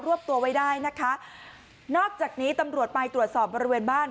วบตัวไว้ได้นะคะนอกจากนี้ตำรวจไปตรวจสอบบริเวณบ้าน